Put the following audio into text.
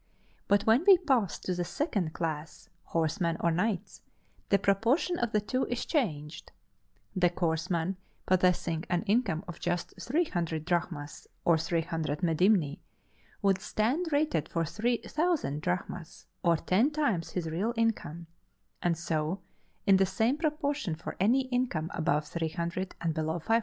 But when we pass to the second class, horsemen or knights, the proportion of the two is changed. The horseman possessing an income of just 300 drachmas (or 300 medimni) would stand rated for 3,000 drachmas, or ten times his real income, and so in the same proportion for any income above 300 and below 500.